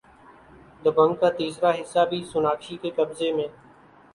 دبنگ کا تیسرا حصہ بھی سوناکشی کے قبضے میں